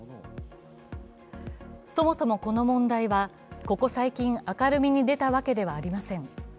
そもそもこの問題は、ここ最近明るみに出たわけではありません。